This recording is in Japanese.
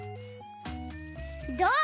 どう？